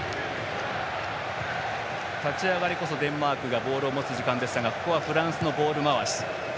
立ち上がりこそデンマークがボールを持つ時間帯ですがここはフランスのボール回し。